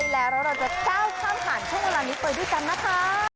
แล้วเราจะก้าวข้ามผ่านช่วงเวลานี้ไปด้วยกันนะคะ